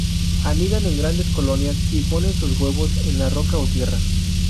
Anidan en grandes colonias y ponen sus huevos en la roca o tierra.